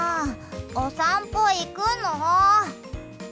お散歩行くの！